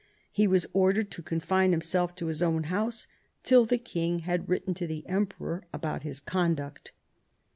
He was ordered to confine himself to his own house tiU the king had written to the Emperor about his conduct.